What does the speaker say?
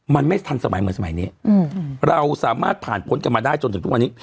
มันไม่ทันสมัยเหมือนสมัยนี้เราสามารถผ่านพ้นกันมาได้จนถึงทุกวันนี้